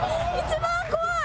一番怖い！